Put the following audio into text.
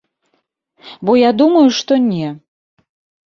Бо я думаю, што не!